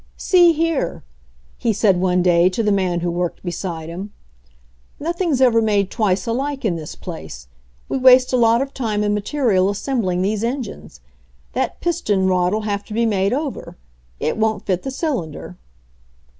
"See here," he said one day to the man who worked beside him. "Nothing's ever made twice alike in this place. We waste a lot of time and material assembling these engines. That piston rod'U have to be made over ; it won't fit the cylin der."